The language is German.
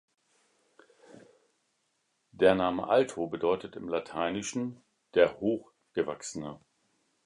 Der Name Alto bedeutet im Lateinischen "der hoch Gewachsene".